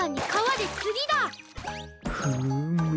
フーム。